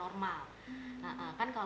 terdengar ada bunyi yang abnormal